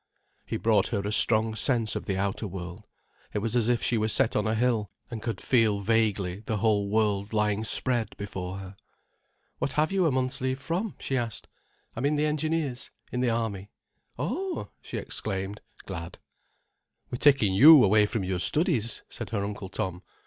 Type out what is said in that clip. He brought her a strong sense of the outer world. It was as if she were set on a hill and could feel vaguely the whole world lying spread before her. "What have you a month's leave from?" she asked. "I'm in the Engineers—in the Army." "Oh!" she exclaimed, glad. "We're taking you away from your studies," said her Uncle Tom.